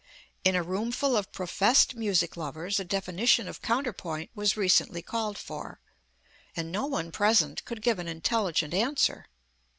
In a roomful of professed music lovers a definition of counterpoint was recently called for, and no one present could give an intelligent answer.